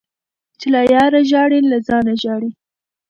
- چي له یاره ژاړي له ځانه ژاړي.